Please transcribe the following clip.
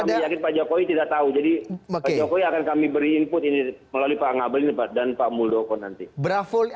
karena kami yakin pak jokowi tidak tahu jadi pak jokowi akan kami beri input ini melalui pak ngabel ini dan pak muldoko nanti